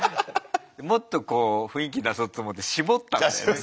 もっとこう雰囲気出そうと思って絞ったんだよね。